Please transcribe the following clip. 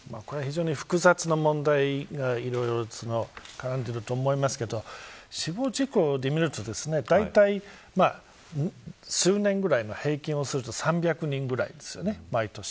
これは非常に複雑な問題が絡んでいると思いますが死亡事故で見るとだいたい数年ぐらい平均すると３００人ぐらいですよね、毎年。